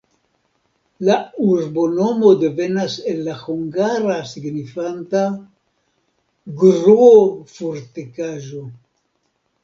La urbonomo devenas el la hungara signifanta: gruo-fortikaĵo.